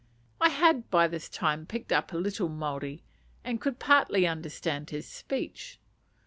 I had by this time picked up a little Maori, and could partly understand his speech.